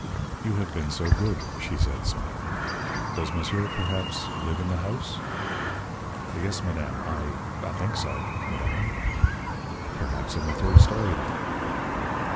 "You have been so good," she said, smiling. "Does monsieur, perhaps, live in the house?" "Yes, madame. I I think so, madame." "Perhaps in the third story, then?"